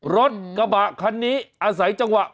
รถกระบะคันนี้อาศัยจังหวะ